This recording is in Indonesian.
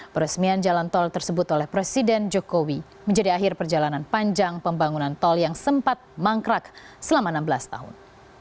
peresmian jalan tol tersebut oleh presiden jokowi menjadi akhir perjalanan panjang pembangunan tol yang sempat mangkrak selama enam belas tahun